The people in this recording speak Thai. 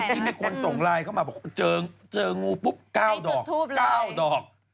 ที่มีคนส่งไลน์เข้ามาบอกเจองูปุ๊บ๙ดอก๙ดอก